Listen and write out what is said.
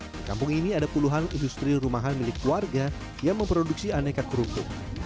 di kampung ini ada puluhan industri rumahan milik keluarga yang memproduksi aneka kerupuk